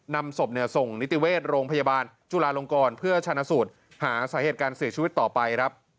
นำศพส่งนิติเวชโรงพยาบาลจุลาลงกรเพื่อชนะสูตรหาสาเหตุการเสียชีวิตต่อไปครับ